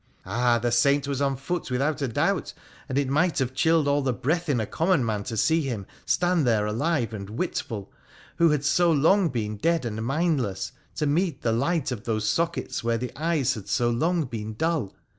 ' Ah ! the saint was on foot without a doubt, and it might have chilled all the breath in a common man to see him stand there alive, and witful, who had so long been dead and mind less, to meet the light of those sockets where the eyes had so long been dull